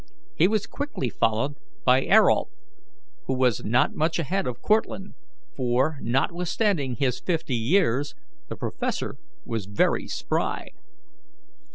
He was quickly followed by Ayrault, who was not much ahead of Cortlandt, for, notwithstanding his fifty years, the professor was very spry.